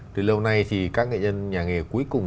từ lâu nay thì các nghệ nhân nhà nghề cuối cùng